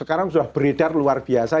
orang orang sudah beredar luar biasa